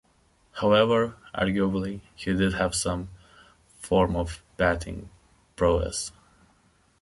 However, arguably, he did have some form of batting prowess.